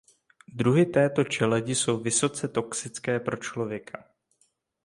Druhy této čeledi jsou vysoce toxické pro člověka.